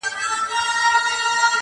پوه نه سوم چي څنګه مي جانان راسره وژړل،